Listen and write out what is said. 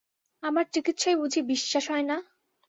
আমার চিকিৎসায় বুঝি বিশ্বাস হয় না?